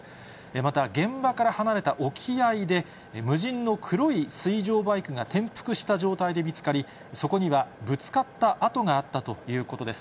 また現場から離れた沖合で、無人の黒い水上バイクが転覆した状態で見つかり、そこにはぶつかった跡があったということです。